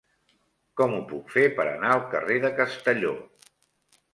Com ho puc fer per anar al carrer de Castelló?